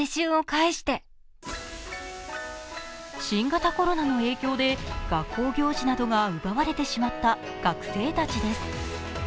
新型コロナの影響で学校行事などが奪われてしまった学生たちです。